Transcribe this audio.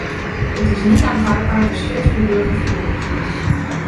Het is niet aanvaardbaar dat steeds meer burgers worden opgelicht.